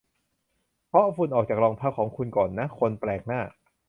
เคาะฝุ่นออกจากรองเท้าของคุณก่อนนะ คนแปลกหน้า